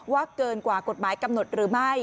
เกินกว่ากฎหมายกำหนดหรือไม่